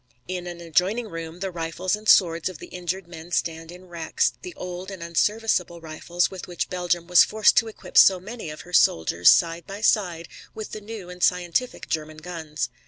In an adjoining room the rifles and swords of the injured men stand in racks, the old and unserviceable rifles with which Belgium was forced to equip so many of her soldiers side by side with the new and scientific German guns.